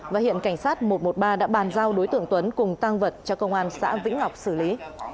và hiện cảnh sát một trăm một mươi ba đã bàn giao đối tượng tuấn cùng tăng vật cho công an xã vĩnh ngọc xử lý